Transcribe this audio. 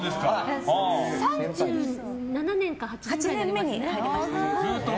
３７年か８年目に入りました。